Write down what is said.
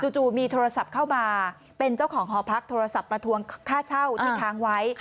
จู่มีโทรศัพท์เข้ามาเป็นเจ้าของหอพักโทรศัพท์มาทวงค่าเช่าที่ค้างไว้